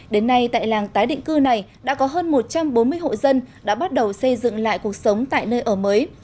đến nay tại làng tái định cư này đã có hơn một trăm bốn mươi hộ dân đã bắt đầu xây dựng lại cuộc sống tại nơi ở mới